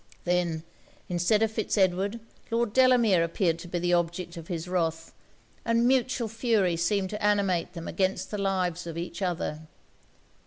Then, instead of Fitz Edward, Lord Delamere appeared to be the object of his wrath, and mutual fury seemed to animate them against the lives of each other.